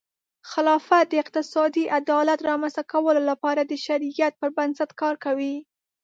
خلافت د اقتصادي عدالت رامنځته کولو لپاره د شریعت پر بنسټ کار کوي.